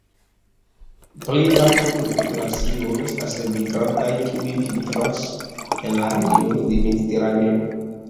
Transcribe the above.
Plej parto de populacioj estas migrantaj, kiu vintras en la regiono de Mediteraneo.